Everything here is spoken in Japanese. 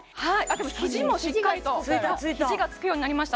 肘もしっかりと肘がつくようになりました